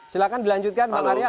silakan dilanjutkan bang arya